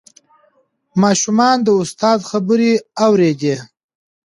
ماشومان د استاد خبرې اورېدې.